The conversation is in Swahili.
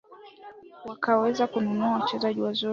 wakaweza kununua wachezaji wazuri